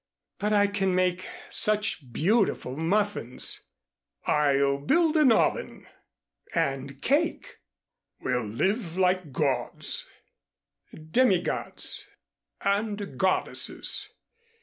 "But I can make such beautiful muffins." "I'll build an oven." "And cake " "We'll live like gods " "Demigods " "And goddesses."